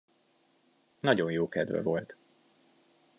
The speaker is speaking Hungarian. Nagyon jó kedve volt.